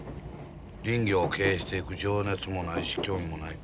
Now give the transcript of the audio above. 林業を経営していく情熱もないし興味もない。